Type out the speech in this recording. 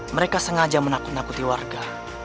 mereka sengaja menakut nakuti warga